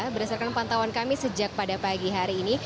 berdasarkan pantauan kami sejak pada pagi hari ini